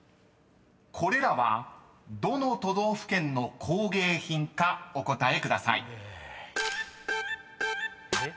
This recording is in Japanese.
［これらはどの都道府県の工芸品かお答えください］